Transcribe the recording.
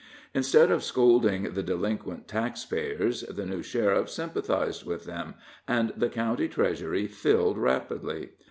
Instead of scolding the delinquent tax payers, the new sheriff sympathized with them, and the county treasury filled rapidly.